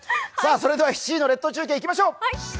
それでは７時の列島中継いきましょう。